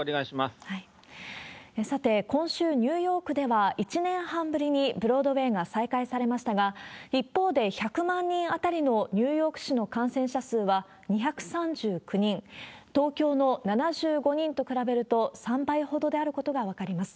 さて、今週、ニューヨークでは１年半ぶりにブロードウェイが再開されましたが、一方で、１００万人当たりのニューヨーク市の感染者数は２３９人、東京の７５人と比べると、３倍ほどであることが分かります。